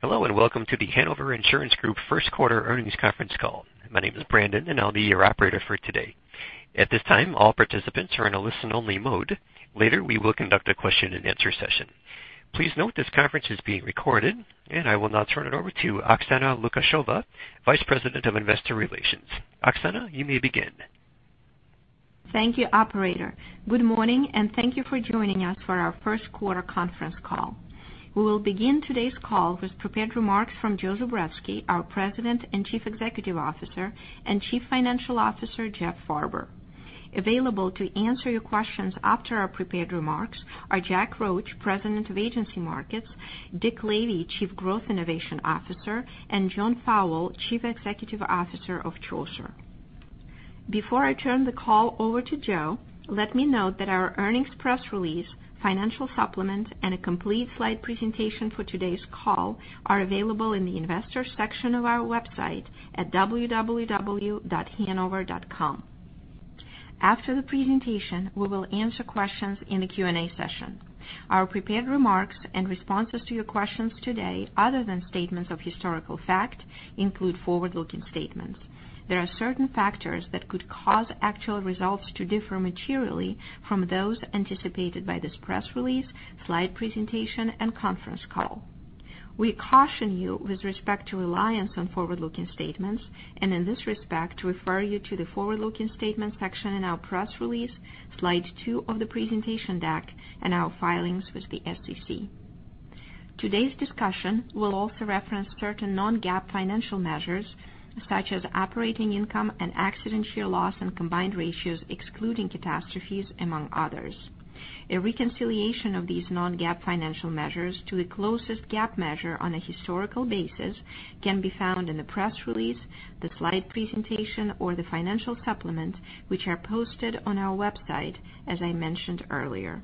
Hello, welcome to The Hanover Insurance Group first quarter earnings conference call. My name is Brandon, and I'll be your operator for today. At this time, all participants are in a listen-only mode. Later, we will conduct a question-and-answer session. Please note this conference is being recorded, and I will now turn it over to Oksana Lukasheva, Vice President of Investor Relations. Oksana, you may begin. Thank you, operator. Good morning, thank you for joining us for our first quarter conference call. We will begin today's call with prepared remarks from Joe Zubretsky, our President and Chief Executive Officer, and Chief Financial Officer, Jeff Farber. Available to answer your questions after our prepared remarks are Jack Roche, President of Agency Markets, Dick Lavey, Chief Growth Innovation Officer, and John Fowle, Chief Executive Officer of Chaucer. Before I turn the call over to Joe, let me note that our earnings press release, financial supplement, and a complete slide presentation for today's call are available in the investors section of our website at www.hanover.com. After the presentation, we will answer questions in the Q&A session. Our prepared remarks and responses to your questions today, other than statements of historical fact, include forward-looking statements. There are certain factors that could cause actual results to differ materially from those anticipated by this press release, slide presentation, conference call. We caution you with respect to reliance on forward-looking statements, and in this respect, refer you to the forward-looking statements section in our press release, slide two of the presentation deck, and our filings with the SEC. Today's discussion will also reference certain non-GAAP financial measures such as operating income and accident year loss and combined ratios excluding catastrophes, among others. A reconciliation of these non-GAAP financial measures to the closest GAAP measure on a historical basis can be found in the press release, the slide presentation, or the financial supplement, which are posted on our website, as I mentioned earlier.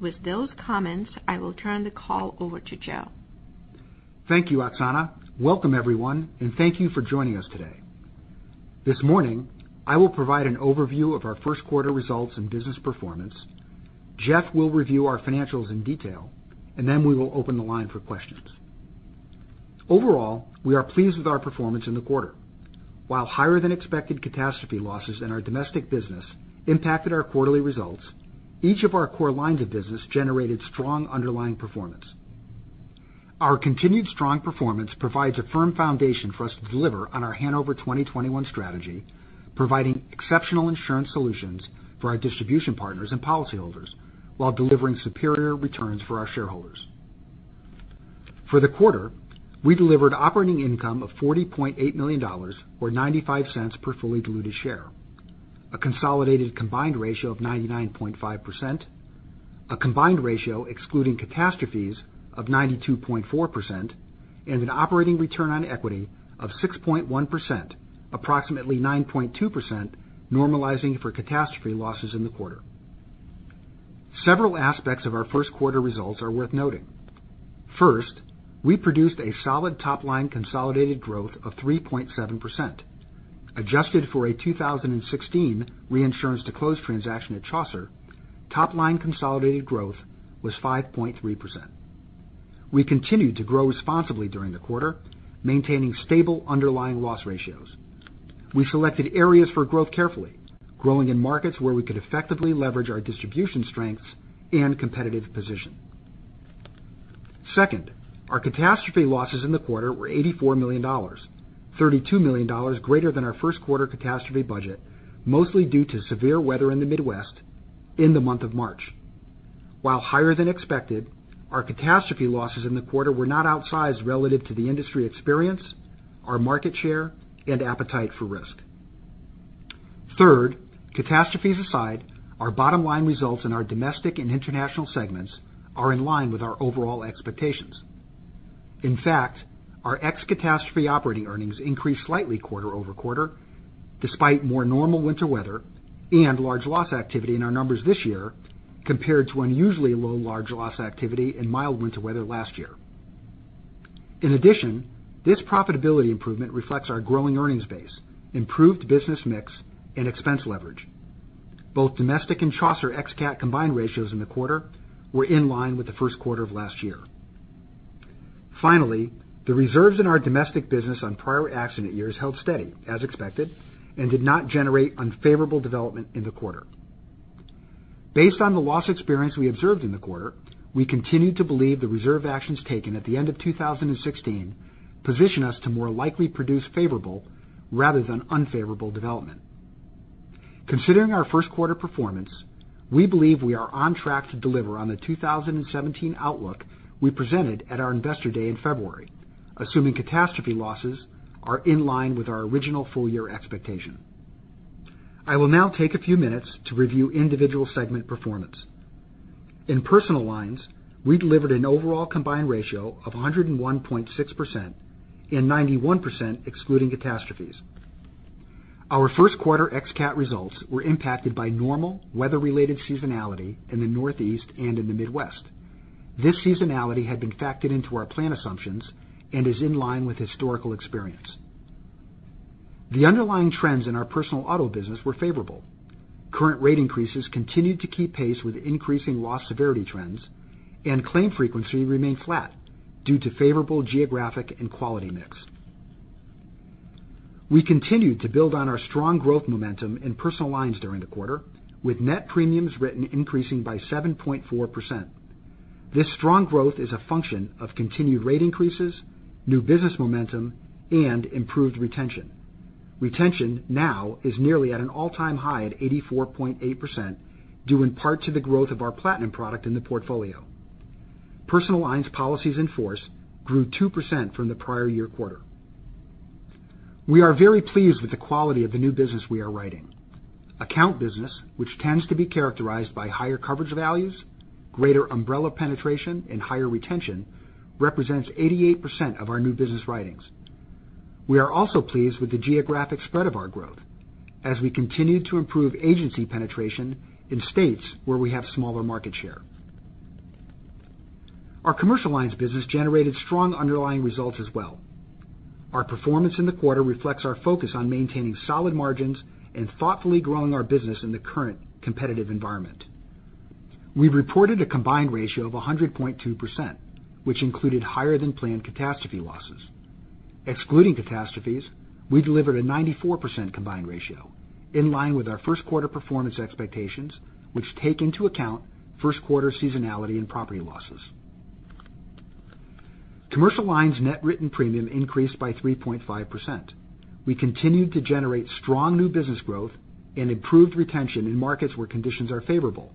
With those comments, I will turn the call over to Joe. Thank you, Oksana. Welcome everyone, thank you for joining us today. This morning, I will provide an overview of our first quarter results and business performance. Jeff will review our financials in detail, then we will open the line for questions. Overall, we are pleased with our performance in the quarter. While higher-than-expected catastrophe losses in our domestic business impacted our quarterly results, each of our core lines of business generated strong underlying performance. Our continued strong performance provides a firm foundation for us to deliver on our Hanover 2021 strategy, providing exceptional insurance solutions for our distribution partners and policyholders while delivering superior returns for our shareholders. For the quarter, we delivered operating income of $40.8 million, or $0.95 per fully diluted share, a consolidated combined ratio of 99.5%, a combined ratio excluding catastrophes of 92.4%, and an operating return on equity of 6.1%, approximately 9.2% normalizing for catastrophe losses in the quarter. Several aspects of our first quarter results are worth noting. First, we produced a solid top-line consolidated growth of 3.7%. Adjusted for a 2016 reinsurance to close transaction at Chaucer, top-line consolidated growth was 5.3%. We continued to grow responsibly during the quarter, maintaining stable underlying loss ratios. We selected areas for growth carefully, growing in markets where we could effectively leverage our distribution strengths and competitive position. Second, our catastrophe losses in the quarter were $84 million, $32 million greater than our first quarter catastrophe budget, mostly due to severe weather in the Midwest in the month of March. While higher than expected, our catastrophe losses in the quarter were not outsized relative to the industry experience, our market share, and appetite for risk. Third, catastrophes aside, our bottom-line results in our domestic and international segments are in line with our overall expectations. In fact, our ex-catastrophe operating earnings increased slightly quarter-over-quarter, despite more normal winter weather and large loss activity in our numbers this year compared to unusually low large loss activity and mild winter weather last year. In addition, this profitability improvement reflects our growing earnings base, improved business mix, and expense leverage. Both domestic and Chaucer ex-cat combined ratios in the quarter were in line with the first quarter of last year. Finally, the reserves in our domestic business on prior accident years held steady as expected and did not generate unfavorable development in the quarter. Based on the loss experience we observed in the quarter, we continue to believe the reserve actions taken at the end of 2016 position us to more likely produce favorable rather than unfavorable development. Considering our first quarter performance, we believe we are on track to deliver on the 2017 outlook we presented at our Investor Day in February, assuming catastrophe losses are in line with our original full-year expectation. I will now take a few minutes to review individual segment performance. In personal lines, we delivered an overall combined ratio of 101.6% and 91% excluding catastrophes. Our first quarter ex-cat results were impacted by normal weather-related seasonality in the Northeast and in the Midwest. This seasonality had been factored into our plan assumptions and is in line with historical experience. The underlying trends in our personal auto business were favorable. Current rate increases continued to keep pace with increasing loss severity trends, and claim frequency remained flat due to favorable geographic and quality mix. We continued to build on our strong growth momentum in personal lines during the quarter, with net premiums written increasing by 7.4%. This strong growth is a function of continued rate increases, new business momentum, and improved retention. Retention now is nearly at an all-time high at 84.8%, due in part to the growth of our Platinum product in the portfolio. Personal lines policies in force grew 2% from the prior year quarter. We are very pleased with the quality of the new business we are writing. Account business, which tends to be characterized by higher coverage values, greater umbrella penetration, and higher retention, represents 88% of our new business writings. We are also pleased with the geographic spread of our growth as we continue to improve agency penetration in states where we have smaller market share. Our commercial lines business generated strong underlying results as well. Our performance in the quarter reflects our focus on maintaining solid margins and thoughtfully growing our business in the current competitive environment. We reported a combined ratio of 100.2%, which included higher than planned catastrophe losses. Excluding catastrophes, we delivered a 94% combined ratio in line with our first quarter performance expectations, which take into account first quarter seasonality and property losses. Commercial lines net written premium increased by 3.5%. We continued to generate strong new business growth and improved retention in markets where conditions are favorable,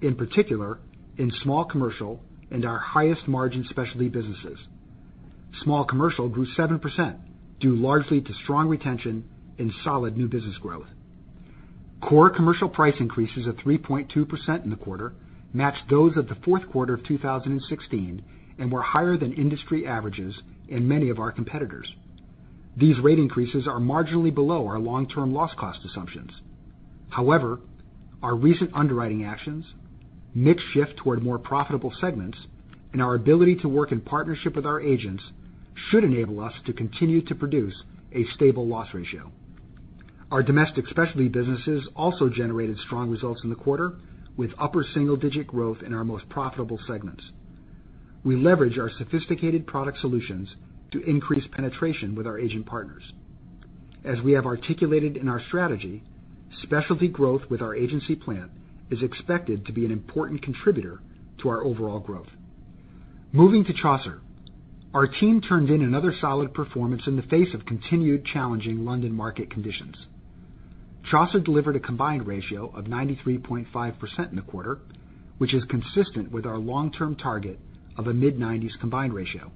in particular in small commercial and our highest margin specialty businesses. Small commercial grew 7%, due largely to strong retention and solid new business growth. Core commercial price increases of 3.2% in the quarter matched those of the fourth quarter of 2016 and were higher than industry averages in many of our competitors. These rate increases are marginally below our long-term loss cost assumptions. However, our recent underwriting actions, mix shift toward more profitable segments, and our ability to work in partnership with our agents should enable us to continue to produce a stable loss ratio. Our domestic specialty businesses also generated strong results in the quarter, with upper single-digit growth in our most profitable segments. We leverage our sophisticated product solutions to increase penetration with our agent partners. As we have articulated in our strategy, specialty growth with our agency plan is expected to be an important contributor to our overall growth. Moving to Chaucer. Our team turned in another solid performance in the face of continued challenging London market conditions. Chaucer delivered a combined ratio of 93.5% in the quarter, which is consistent with our long-term target of a mid-90s combined ratio.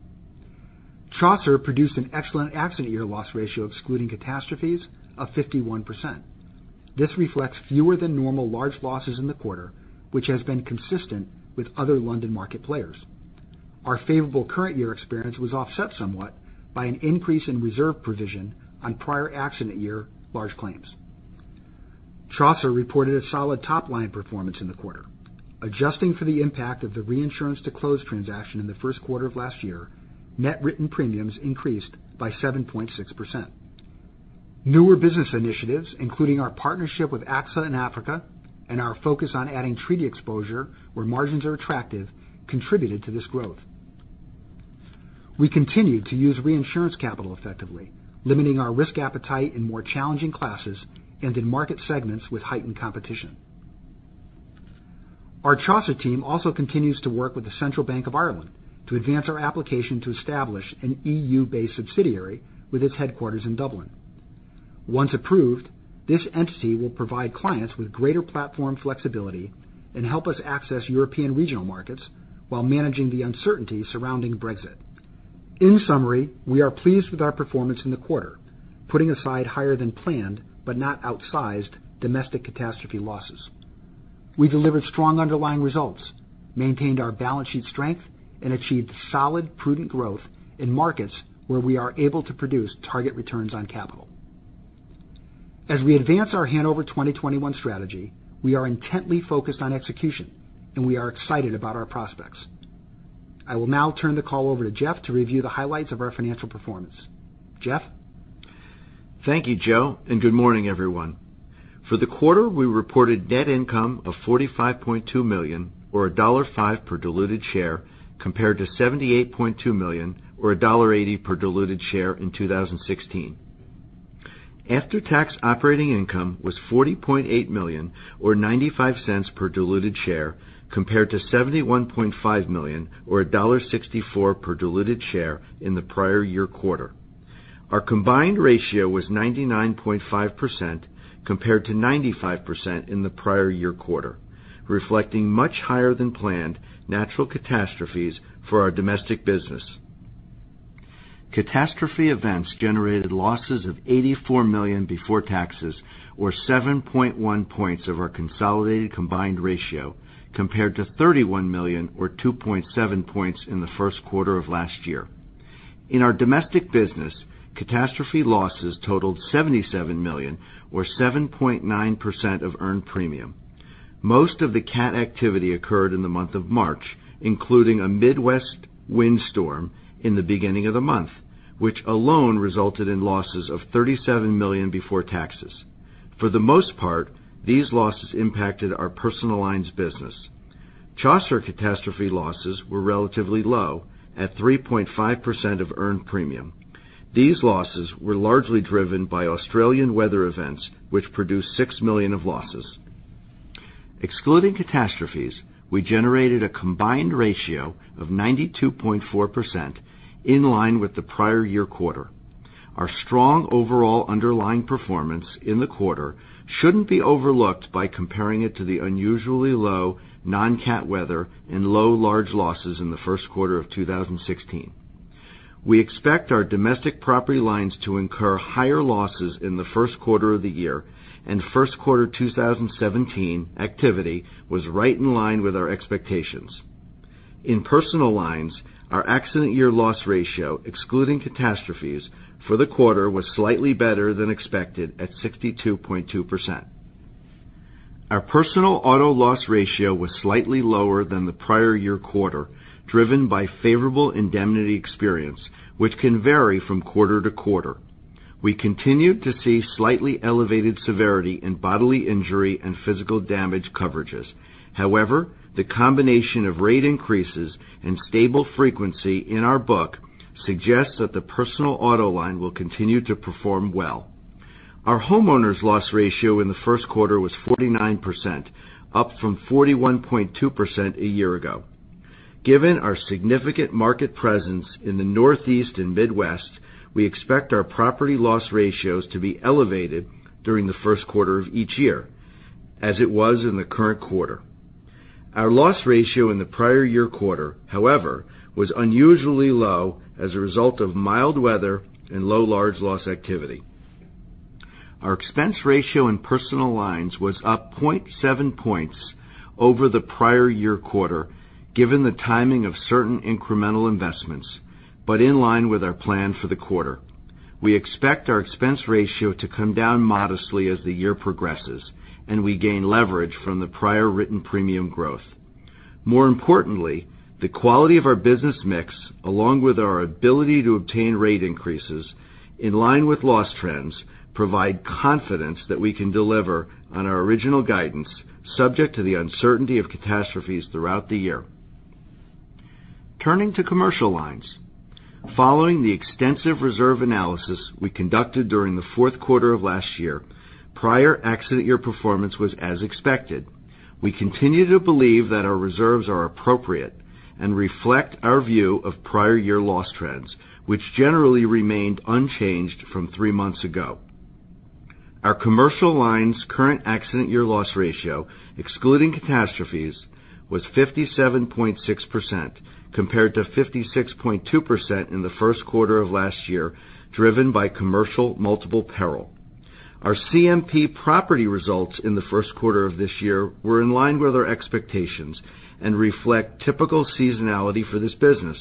Chaucer produced an excellent accident year loss ratio, excluding catastrophes, of 51%. This reflects fewer than normal large losses in the quarter, which has been consistent with other London market players. Our favorable current year experience was offset somewhat by an increase in reserve provision on prior accident year large claims. Chaucer reported a solid top-line performance in the quarter. Adjusting for the impact of the reinsurance to close transaction in the first quarter of last year, net written premiums increased by 7.6%. Newer business initiatives, including our partnership with AXA in Africa and our focus on adding treaty exposure where margins are attractive, contributed to this growth. We continued to use reinsurance capital effectively, limiting our risk appetite in more challenging classes and in market segments with heightened competition. Our Chaucer team also continues to work with the Central Bank of Ireland to advance our application to establish an EU-based subsidiary with its headquarters in Dublin. Once approved, this entity will provide clients with greater platform flexibility and help us access European regional markets while managing the uncertainty surrounding Brexit. In summary, we are pleased with our performance in the quarter, putting aside higher than planned, but not outsized domestic catastrophe losses. We delivered strong underlying results, maintained our balance sheet strength, and achieved solid, prudent growth in markets where we are able to produce target returns on capital. As we advance our Hanover 2021 strategy, we are intently focused on execution, and we are excited about our prospects. I will now turn the call over to Jeff to review the highlights of our financial performance. Jeff? Thank you, Joe. Good morning, everyone. For the quarter, we reported net income of $45.2 million, or $1.50 per diluted share, compared to $78.2 million or $1.80 per diluted share in 2016. After-tax operating income was $40.8 million, or $0.95 per diluted share, compared to $71.5 million or $1.64 per diluted share in the prior year quarter. Our combined ratio was 99.5%, compared to 95% in the prior year quarter, reflecting much higher than planned natural catastrophes for our domestic business. Catastrophe events generated losses of $84 million before taxes, or 7.1 points of our consolidated combined ratio, compared to $31 million or 2.7 points in the first quarter of last year. In our domestic business, catastrophe losses totaled $77 million or 7.9% of earned premium. Most of the cat activity occurred in the month of March, including a Midwest windstorm in the beginning of the month, which alone resulted in losses of $37 million before taxes. For the most part, these losses impacted our personal lines business. Chaucer catastrophe losses were relatively low at 3.5% of earned premium. These losses were largely driven by Australian weather events, which produced $6 million of losses. Excluding catastrophes, we generated a combined ratio of 92.4%, in line with the prior year quarter. Our strong overall underlying performance in the quarter shouldn't be overlooked by comparing it to the unusually low non-cat weather and low large losses in the first quarter of 2016. We expect our domestic property lines to incur higher losses in the first quarter of the year. First quarter 2017 activity was right in line with our expectations. In personal lines, our accident year loss ratio, excluding catastrophes for the quarter, was slightly better than expected at 62.2%. Our personal auto loss ratio was slightly lower than the prior year quarter, driven by favorable indemnity experience, which can vary from quarter to quarter. We continued to see slightly elevated severity in bodily injury and physical damage coverages. However, the combination of rate increases and stable frequency in our book suggests that the personal auto line will continue to perform well. Our homeowners loss ratio in the first quarter was 49%, up from 41.2% a year ago. Given our significant market presence in the Northeast and Midwest, we expect our property loss ratios to be elevated during the first quarter of each year, as it was in the current quarter. Our loss ratio in the prior year quarter, however, was unusually low as a result of mild weather and low large loss activity. Our expense ratio in personal lines was up 0.7 points over the prior year quarter, given the timing of certain incremental investments, but in line with our plan for the quarter. We expect our expense ratio to come down modestly as the year progresses, and we gain leverage from the prior written premium growth. More importantly, the quality of our business mix, along with our ability to obtain rate increases in line with loss trends, provide confidence that we can deliver on our original guidance subject to the uncertainty of catastrophes throughout the year. Turning to commercial lines. Following the extensive reserve analysis we conducted during the fourth quarter of last year, prior accident year performance was as expected. We continue to believe that our reserves are appropriate and reflect our view of prior year loss trends, which generally remained unchanged from three months ago. Our commercial lines current accident year loss ratio, excluding catastrophes, was 57.6%, compared to 56.2% in the first quarter of last year, driven by commercial multiple peril. Our CMP property results in the first quarter of this year were in line with our expectations and reflect typical seasonality for this business.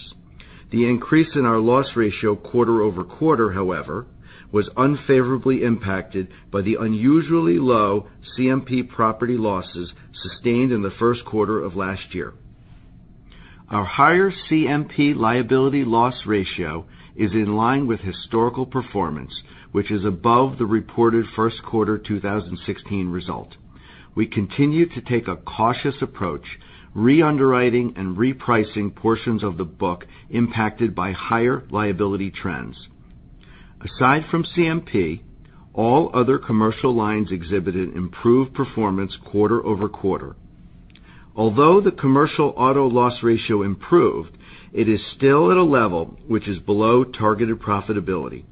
The increase in our loss ratio quarter-over-quarter, however, was unfavorably impacted by the unusually low CMP property losses sustained in the first quarter of last year. Our higher CMP liability loss ratio is in line with historical performance, which is above the reported first quarter 2016 result. We continue to take a cautious approach, re-underwriting and repricing portions of the book impacted by higher liability trends. Aside from CMP, all other commercial lines exhibited improved performance quarter-over-quarter. Although the commercial auto loss ratio improved, it is still at a level which is below targeted profitability.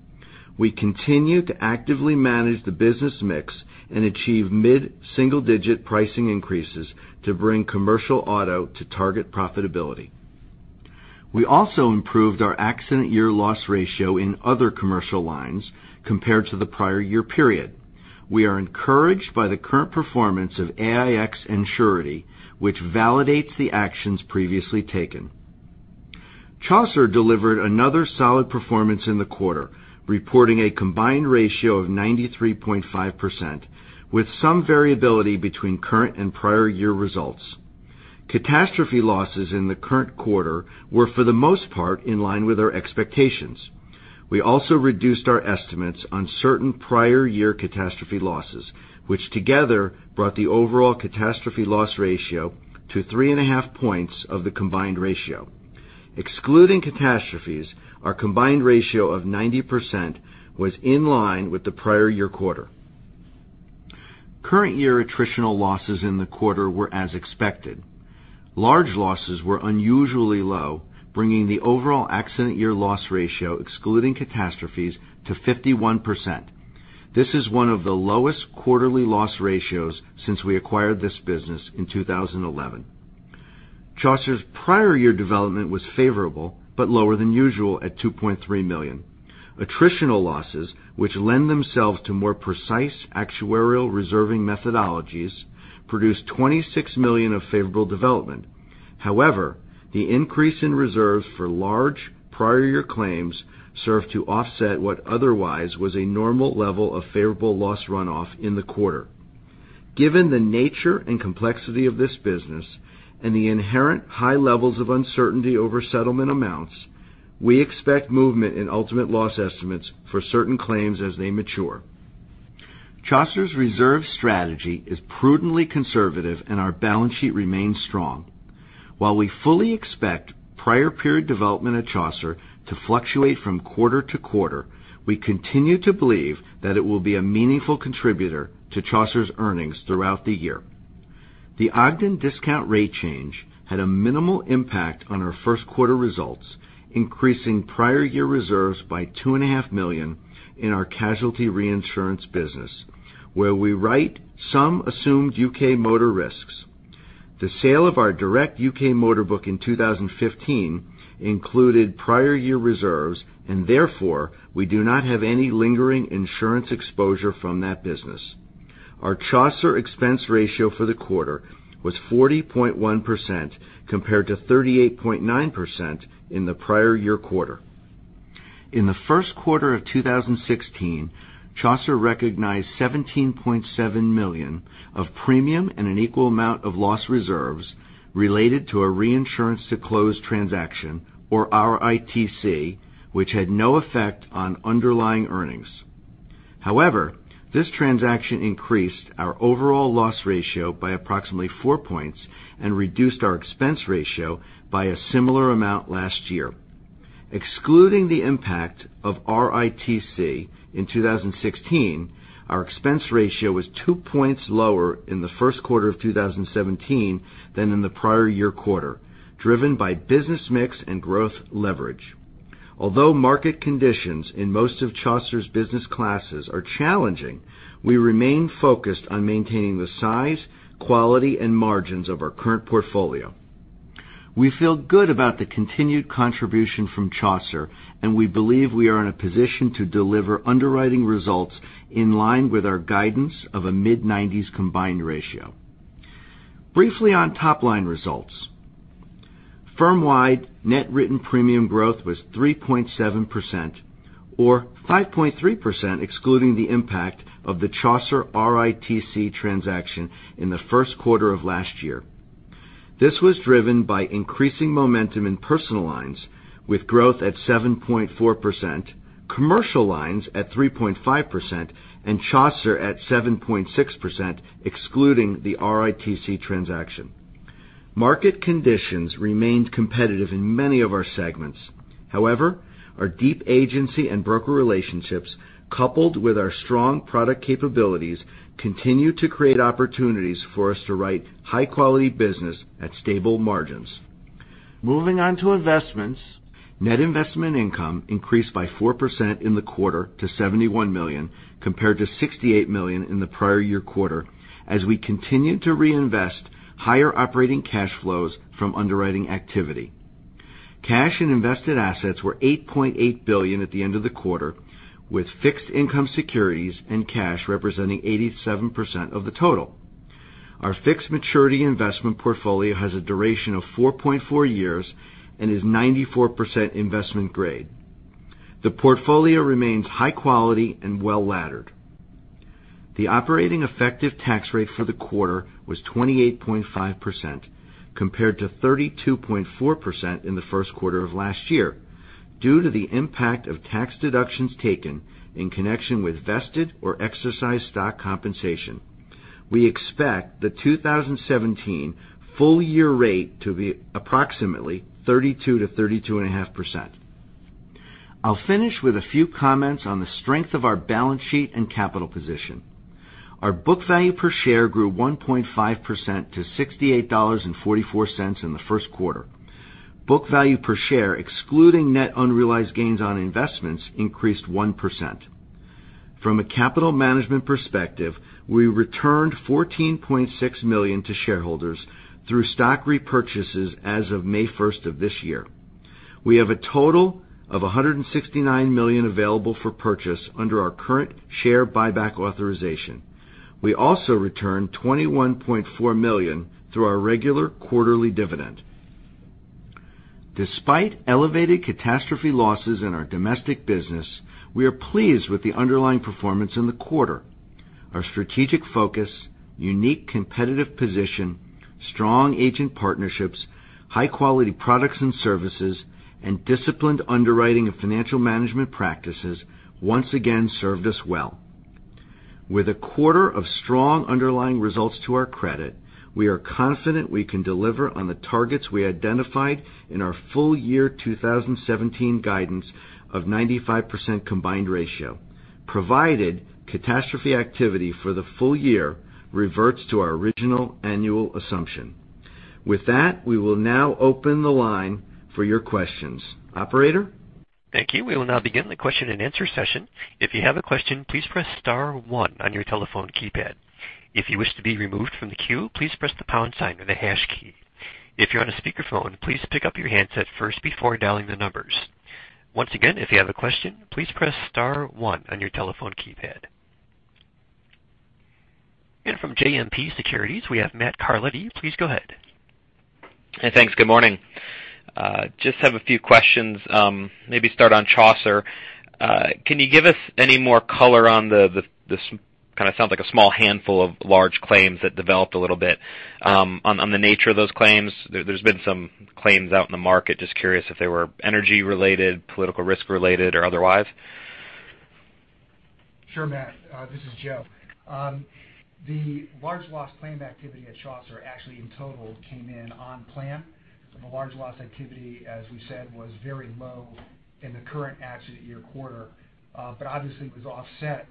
We continue to actively manage the business mix and achieve mid-single-digit pricing increases to bring commercial auto to target profitability. We also improved our accident year loss ratio in other commercial lines compared to the prior year period. We are encouraged by the current performance of AIX and Surety, which validates the actions previously taken. Chaucer delivered another solid performance in the quarter, reporting a combined ratio of 93.5%, with some variability between current and prior year results. Catastrophe losses in the current quarter were, for the most part, in line with our expectations. We also reduced our estimates on certain prior year catastrophe losses, which together brought the overall catastrophe loss ratio to 3.5 points of the combined ratio. Excluding catastrophes, our combined ratio of 90% was in line with the prior year quarter. Current year attritional losses in the quarter were as expected. Large losses were unusually low, bringing the overall accident year loss ratio, excluding catastrophes, to 51%. This is one of the lowest quarterly loss ratios since we acquired this business in 2011. Chaucer's prior year development was favorable, but lower than usual at $2.3 million. Attritional losses, which lend themselves to more precise actuarial reserving methodologies, produced $26 million of favorable development. However, the increase in reserves for large prior year claims served to offset what otherwise was a normal level of favorable loss runoff in the quarter. Given the nature and complexity of this business and the inherent high levels of uncertainty over settlement amounts, we expect movement in ultimate loss estimates for certain claims as they mature. Chaucer's reserve strategy is prudently conservative, and our balance sheet remains strong. While we fully expect prior period development at Chaucer to fluctuate from quarter to quarter, we continue to believe that it will be a meaningful contributor to Chaucer's earnings throughout the year. The Ogden discount rate change had a minimal impact on our first quarter results, increasing prior year reserves by two and a half million in our casualty reinsurance business where we write some assumed U.K. motor risks. The sale of our direct U.K. motor book in 2015 included prior year reserves, and therefore, we do not have any lingering insurance exposure from that business. Our Chaucer expense ratio for the quarter was 40.1%, compared to 38.9% in the prior year quarter. In the first quarter of 2016, Chaucer recognized $17.7 million of premium and an equal amount of loss reserves related to a reinsurance to close transaction, or RITC, which had no effect on underlying earnings. However, this transaction increased our overall loss ratio by approximately four points and reduced our expense ratio by a similar amount last year. Excluding the impact of RITC in 2016, our expense ratio was two points lower in the first quarter of 2017 than in the prior year quarter, driven by business mix and growth leverage. Although market conditions in most of Chaucer's business classes are challenging, we remain focused on maintaining the size, quality, and margins of our current portfolio. We feel good about the continued contribution from Chaucer, and we believe we are in a position to deliver underwriting results in line with our guidance of a mid-nineties combined ratio. Briefly on top-line results. Firmwide net written premium growth was 3.7%, or 5.3% excluding the impact of the Chaucer RITC transaction in the first quarter of last year. This was driven by increasing momentum in personal lines, with growth at 7.4%, commercial lines at 3.5%, and Chaucer at 7.6%, excluding the RITC transaction. Market conditions remained competitive in many of our segments. However, our deep agency and broker relationships, coupled with our strong product capabilities, continue to create opportunities for us to write high-quality business at stable margins. Moving on to investments. Net investment income increased by 4% in the quarter to $71 million, compared to $68 million in the prior year quarter as we continued to reinvest higher operating cash flows from underwriting activity. Cash and invested assets were $8.8 billion at the end of the quarter, with fixed income securities and cash representing 87% of the total. Our fixed maturity investment portfolio has a duration of 4.4 years and is 94% investment grade. The portfolio remains high quality and well-laddered. The operating effective tax rate for the quarter was 28.5%, compared to 32.4% in the first quarter of last year due to the impact of tax deductions taken in connection with vested or exercised stock compensation. We expect the 2017 full year rate to be approximately 32%-32.5%. I'll finish with a few comments on the strength of our balance sheet and capital position. Our book value per share grew 1.5% to $68.44 in the first quarter. Book value per share, excluding net unrealized gains on investments, increased 1%. From a capital management perspective, we returned $14.6 million to shareholders through stock repurchases as of May 1st of this year. We have a total of $169 million available for purchase under our current share buyback authorization. We also returned $21.4 million through our regular quarterly dividend. Despite elevated catastrophe losses in our domestic business, we are pleased with the underlying performance in the quarter. Our strategic focus, unique competitive position, strong agent partnerships, high-quality products and services, and disciplined underwriting of financial management practices once again served us well. With a quarter of strong underlying results to our credit, we are confident we can deliver on the targets we identified in our full year 2017 guidance of 95% combined ratio, provided catastrophe activity for the full year reverts to our original annual assumption. We will now open the line for your questions. Operator? Thank you. We will now begin the question-and-answer session. If you have a question, please press star one on your telephone keypad. If you wish to be removed from the queue, please press the pound sign or the hash key. If you're on a speakerphone, please pick up your handset first before dialing the numbers. Once again, if you have a question, please press star one on your telephone keypad. From JMP Securities, we have Matt Carletti. Please go ahead. Hey, thanks. Good morning. Just have a few questions. Maybe start on Chaucer. Can you give us any more color on the, kind of sounds like a small handful of large claims that developed a little bit, on the nature of those claims? There's been some claims out in the market. Just curious if they were energy related, political risk related, or otherwise. Sure, Matt. This is Joe. The large loss claim activity at Chaucer actually in total came in on plan. The large loss activity, as we said, was very low in the current accident year quarter. Obviously, it was offset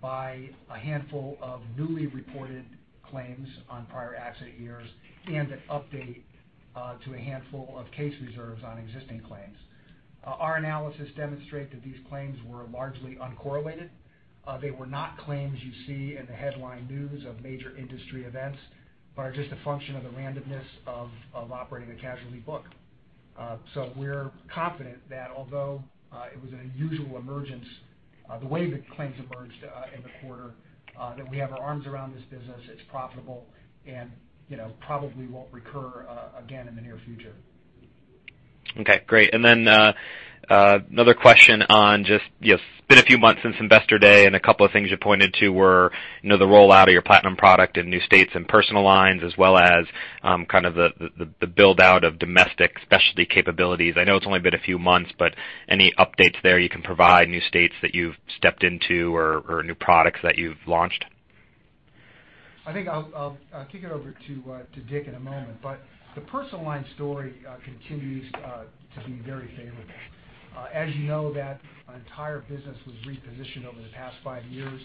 by a handful of newly reported claims on prior accident years, and an update to a handful of case reserves on existing claims. Our analysis demonstrate that these claims were largely uncorrelated. They were not claims you see in the headline news of major industry events, but are just a function of the randomness of operating a casualty book. We're confident that although it was an unusual emergence, the way the claims emerged in the quarter, that we have our arms around this business. It's profitable and probably won't recur again in the near future. Okay, great. Another question on just, it's been a few months since Investor Day, and a couple of things you pointed to were, the rollout of your Platinum product in new states and personal lines, as well as the build-out of domestic specialty capabilities. I know it's only been a few months, any updates there you can provide, new states that you've stepped into or new products that you've launched? I think I'll kick it over to Dick in a moment, the personal line story continues to be very favorable. As you know, that entire business was repositioned over the past five years.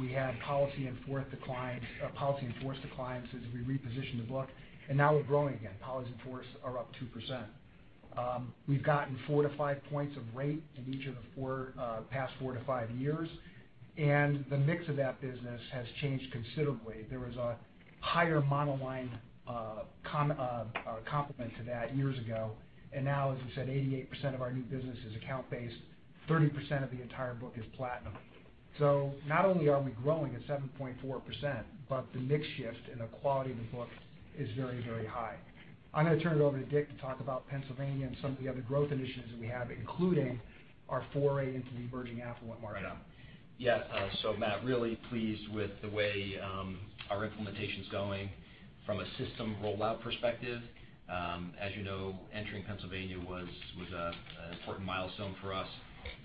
We had policy in force declines as we repositioned the book, now we're growing again. Policies in force are up 2%. We've gotten 4-5 points of rate in each of the past four to five years, the mix of that business has changed considerably. There was a higher monoline complement to that years ago. Now, as you said, 88% of our new business is account-based, 30% of the entire book is Platinum. Not only are we growing at 7.4%, the mix shift and the quality of the book is very, very high. I'm going to turn it over to Dick to talk about Pennsylvania and some of the other growth initiatives that we have, including our foray into the emerging affluent market. Yeah. Matt, really pleased with the way our implementation's going from a system rollout perspective. As you know, entering Pennsylvania was an important milestone for us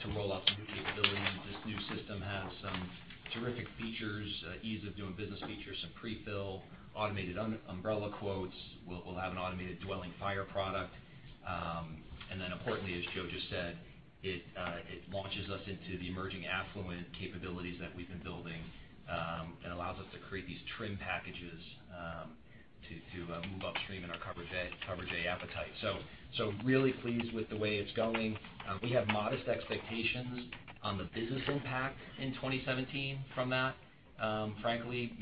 to roll out some new capabilities. This new system has some terrific features, ease of doing business features, some pre-fill, automated umbrella quotes. We'll have an automated dwelling fire product. Importantly, as Joe just said, it launches us into the emerging affluent capabilities that we've been building, and allows us to create these trim packages to move upstream in our coverage A appetite. Really pleased with the way it's going. We have modest expectations on the business impact in 2017 from that. Frankly,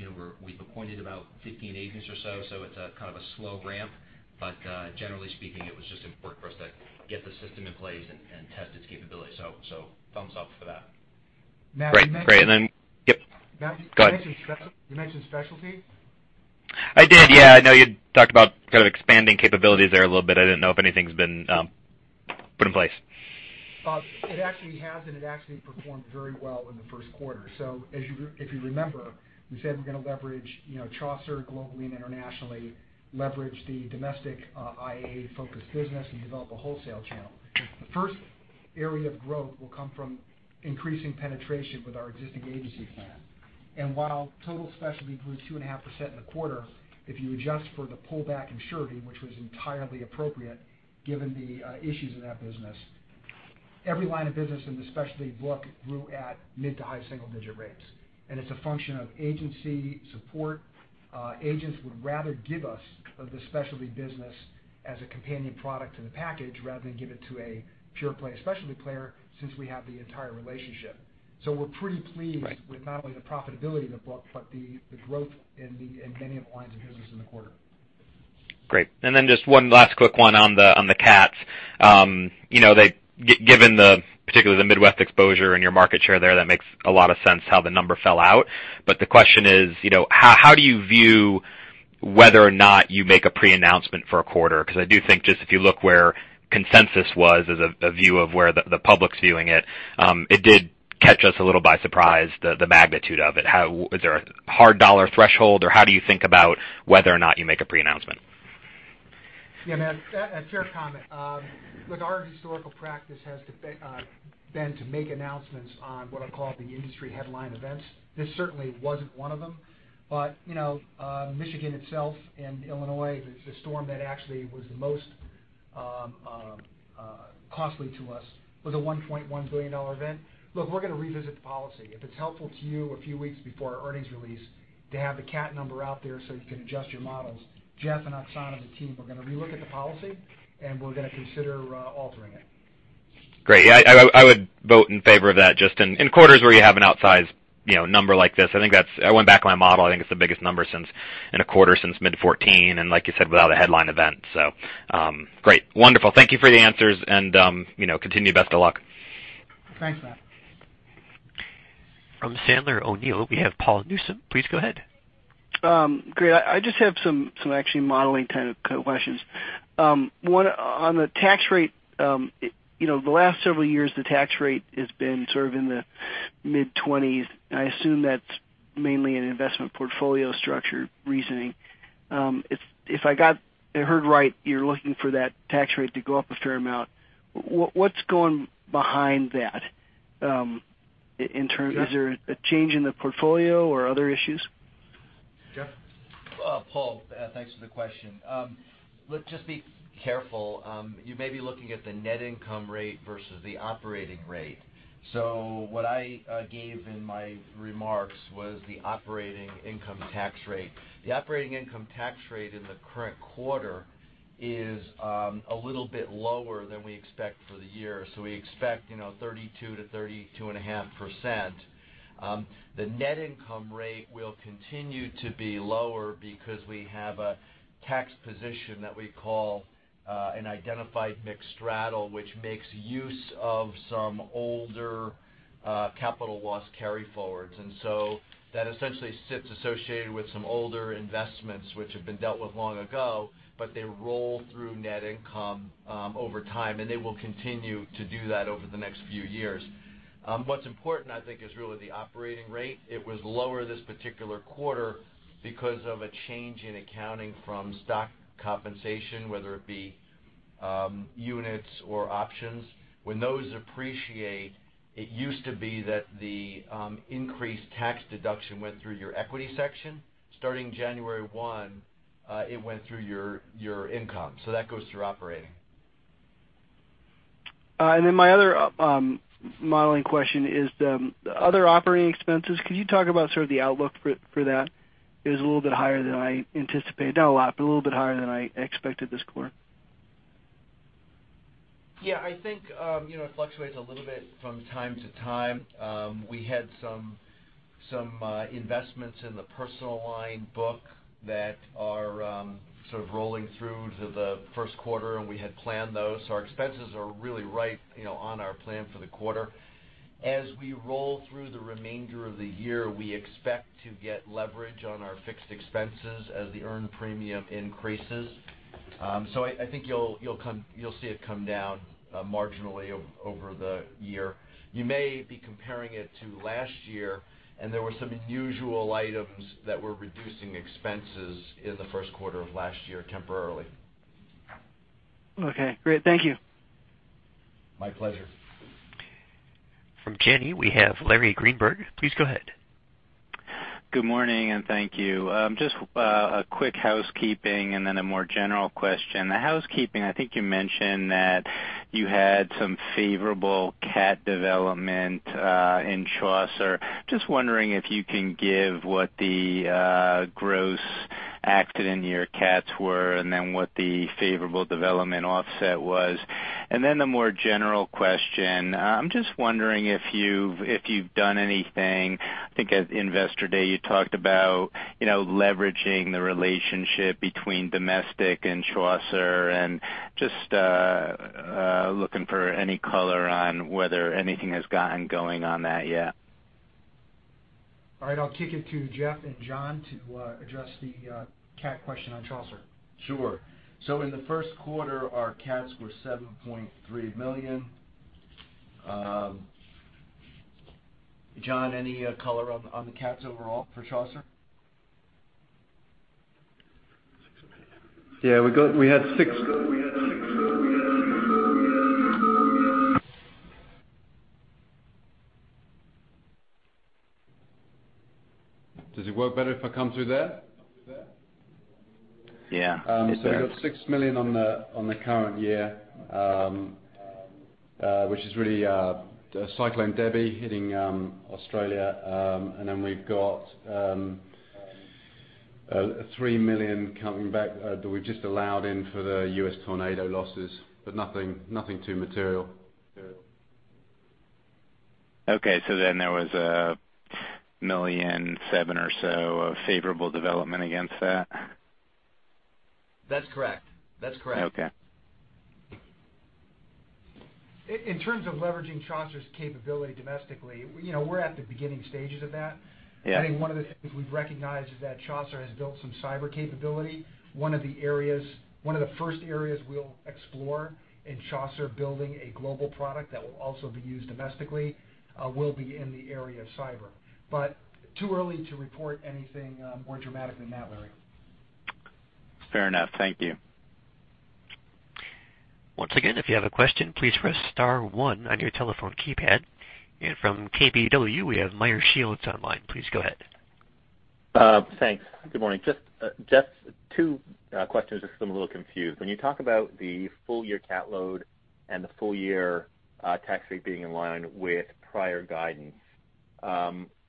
we've appointed about 15 agents or so, it's kind of a slow ramp. Generally speaking, it was just important for us to get the system in place and test its capability. Thumbs up for that. Great. Yep, go ahead. Matt, you mentioned specialty. I did, yeah. I know you had talked about kind of expanding capabilities there a little bit. I didn't know if anything's been put in place. It actually has, and it actually performed very well in the first quarter. If you remember, we said we're going to leverage Chaucer globally and internationally, leverage the domestic IA-focused business, and develop a wholesale channel. The first area of growth will come from increasing penetration with our existing agency plan. While total specialty grew 2.5% in the quarter, if you adjust for the pullback in Surety, which was entirely appropriate given the issues in that business, every line of business in the specialty book grew at mid to high single-digit rates. It's a function of agency support. Agents would rather give us the specialty business as a companion product to the package rather than give it to a pure play specialty player since we have the entire relationship. We're pretty pleased. Right With not only the profitability of the book, but the growth in many of the lines of business in the quarter. Great. Then just one last quick one on the cats. Given the particular Midwest exposure and your market share there, that makes a lot of sense how the number fell out. The question is, how do you view whether or not you make a pre-announcement for a quarter? I do think just if you look where consensus was as a view of where the public's viewing it did catch us a little by surprise, the magnitude of it. Is there a hard dollar threshold, or how do you think about whether or not you make a pre-announcement? Yeah, Matt, fair comment. Look, our historical practice has been to make announcements on what I call the industry headline events. This certainly wasn't one of them. Michigan itself and Illinois, the storm that actually was the most costly to us was a $1.1 billion event. Look, we're going to revisit the policy. If it's helpful to you a few weeks before our earnings release to have the cat number out there so you can adjust your models, Jeff and Oksana and the team are going to re-look at the policy, and we're going to consider altering it. Great. Yeah, I would vote in favor of that, just in quarters where you have an outsized number like this. I went back to my model. I think it's the biggest number in a quarter since mid 2014, and like you said, without a headline event. Great. Wonderful. Thank you for the answers and continued best of luck. Thanks, Matt. From Sandler O'Neill, we have Paul Newsome. Please go ahead. Great. I just have some actual modeling kind of questions. One, on the tax rate. The last several years, the tax rate has been sort of in the mid-20s. I assume that's mainly an investment portfolio structure reasoning. If I heard right, you're looking for that tax rate to go up a fair amount. What's going behind that? Jeff? Is there a change in the portfolio or other issues? Jeff? Paul, thanks for the question. Look, just be careful. You may be looking at the net income rate versus the operating rate. What I gave in my remarks was the operating income tax rate. The operating income tax rate in the current quarter is a little bit lower than we expect for the year. We expect 32%-32.5%. The net income rate will continue to be lower because we have a tax position that we call an identified mixed straddle, which makes use of some older capital loss carryforwards. That essentially sits associated with some older investments, which have been dealt with long ago, but they roll through net income over time, and they will continue to do that over the next few years. What's important, I think, is really the operating rate. It was lower this particular quarter because of a change in accounting from stock compensation, whether it be units or options. When those appreciate, it used to be that the increased tax deduction went through your equity section. Starting January 1, it went through your income. That goes through operating. my other modeling question is the other operating expenses. Could you talk about sort of the outlook for that? It was a little bit higher than I anticipated. Not a lot, but a little bit higher than I expected this quarter. Yeah, I think it fluctuates a little bit from time to time. We had some investments in the personal line book that are sort of rolling through to the first quarter, and we had planned those. Our expenses are really right on our plan for the quarter. As we roll through the remainder of the year, we expect to get leverage on our fixed expenses as the earned premium increases. I think you'll see it come down marginally over the year. You may be comparing it to last year, and there were some unusual items that were reducing expenses in the first quarter of last year temporarily. Okay, great. Thank you. My pleasure. From Janney, we have Larry Greenberg. Please go ahead. Good morning. Thank you. Just a quick housekeeping, then a more general question. The housekeeping, I think you mentioned that you had some favorable cat development in Chaucer. Just wondering if you can give what the gross accident year cats were, then what the favorable development offset was. Then the more general question, I'm just wondering if you've done anything. I think at Investor Day, you talked about leveraging the relationship between domestic and Chaucer, and just looking for any color on whether anything has gotten going on that yet. All right. I'll kick it to Jeff and John to address the cat question on Chaucer. Sure. In the first quarter, our cats were $7.3 million. John, any color on the cats overall for Chaucer? $6 million. Yeah, we had six. Does it work better if I come through there? Yeah. It's better. We've got $6 million on the current year, which is really Cyclone Debbie hitting Australia, and then we've got $3 million coming back that we've just allowed in for the U.S. tornado losses but nothing too material. There was $1.7 million or so of favorable development against that? That's correct. Okay. In terms of leveraging Chaucer's capability domestically, we're at the beginning stages of that. Yeah. I think one of the things we've recognized is that Chaucer has built some cyber capability. One of the first areas we'll explore in Chaucer, building a global product that will also be used domestically, will be in the area of cyber. Too early to report anything more dramatic than that, Larry. Fair enough. Thank you. Once again, if you have a question, please press star one on your telephone keypad. From KBW, we have Meyer Shields online. Please go ahead. Thanks. Good morning. Just two questions, because I'm a little confused. When you talk about the full-year cat load and the full-year tax rate being in line with prior guidance,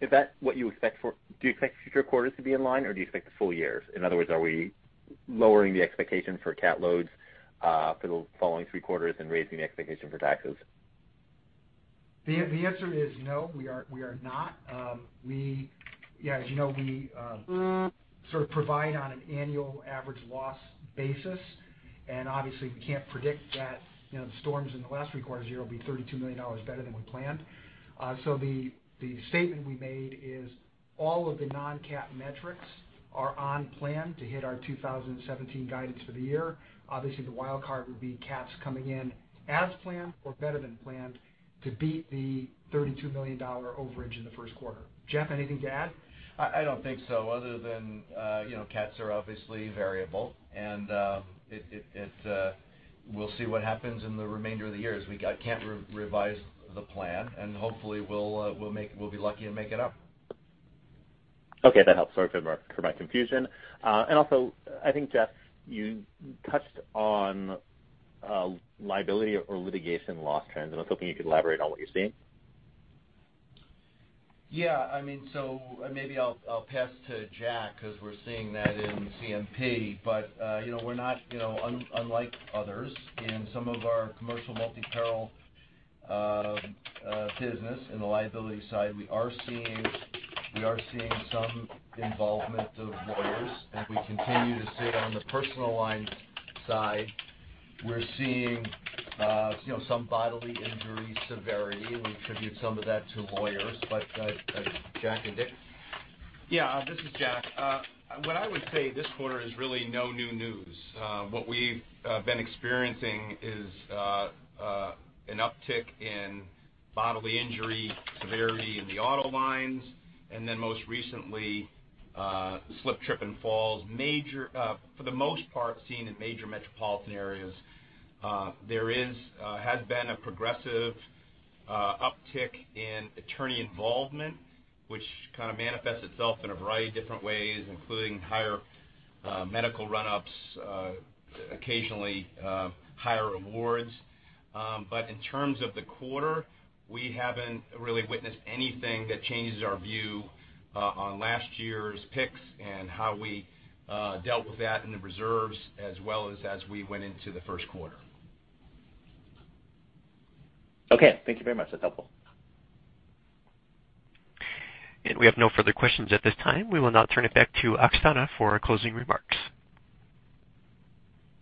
is that what you expect? Do you expect future quarters to be in line, or do you expect the full years? In other words, are we lowering the expectation for cat loads for the following three quarters and raising the expectation for taxes? The answer is no. We are not. As you know, we sort of provide on an annual average loss basis. Obviously, we can't predict that the storms in the last three quarters year will be $32 million better than we planned. The statement we made is all of the non-cat metrics are on plan to hit our 2017 guidance for the year. Obviously, the wild card would be cats coming in as planned or better than planned to beat the $32 million overage in the first quarter. Jeff, anything to add? I don't think so, other than cats are obviously variable, we'll see what happens in the remainder of the year, as we can't revise the plan, hopefully, we'll be lucky and make it up. Okay. That helps for my confusion. Also, I think, Jeff, you touched on liability or litigation loss trends, and I was hoping you could elaborate on what you're seeing. Yeah. Maybe I'll pass to Jack because we're seeing that in CMP, but unlike others, in some of our commercial multi-peril business in the liability side, we are seeing some involvement of lawyers. As we continue to see on the personal lines side, we're seeing some bodily injury severity. We attribute some of that to lawyers. Jack and Dick? Yeah. This is Jack. What I would say this quarter is really no new news. What we've been experiencing is an uptick in bodily injury severity in the auto lines and then most recently, slip, trip, and falls. For the most part, seen in major metropolitan areas. There has been a progressive uptick in attorney involvement, which kind of manifests itself in a variety of different ways, including higher medical run-ups, occasionally higher awards. In terms of the quarter, we haven't really witnessed anything that changes our view on last year's picks and how we dealt with that in the reserves as well as as we went into the first quarter. Okay. Thank you very much. That's helpful. We have no further questions at this time. We will now turn it back to Oksana for closing remarks.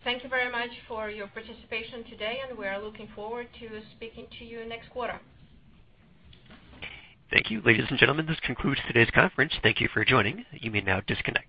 Thank you very much for your participation today, and we are looking forward to speaking to you next quarter. Thank you. Ladies and gentlemen, this concludes today's conference. Thank you for joining. You may now disconnect.